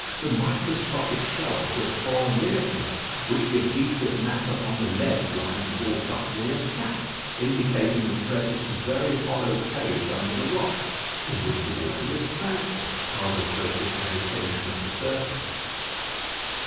The microscopic shells of foraminifera which the adhesive matter on the lead line brought up were intact, indicating the presence of very hollow caves under the rocks, in which the water was tranquil, however great the agitation of the surface.